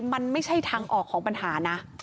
มันไม่ใช่ทางออกของปัญหานะ